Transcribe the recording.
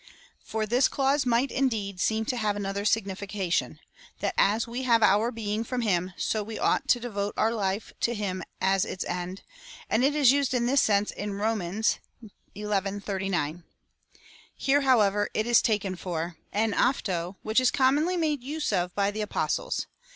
For this clause might, indeed, seem to have another signification — that as we have our beginning from him, so we ought to devote our life to him as its end ; and it is used in this sense in Rom. xi. 89. Here, however, it is taken for ev avro), which is commonly made use of by the Apostles.